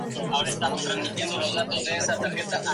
La otra actividad económica de sus habitantes es la pesca.